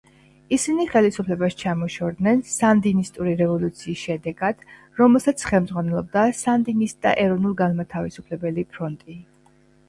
ისინი ხელისუფლებას ჩამოშორდნენ სანდინისტური რევოლუციის შედეგად, რომელსაც ხელმძღვანელობდა სანდინისტთა ეროვნულ განმათავისუფლებელი ფრონტი.